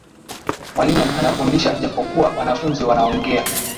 Mwalimu anafundisha japokuwa wanafunzi wanaongea.